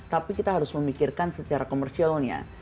tapi kita harus memikirkan secara komersialnya